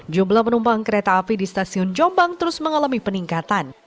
jumlah penumpang kereta api di stasiun jombang terus mengalami peningkatan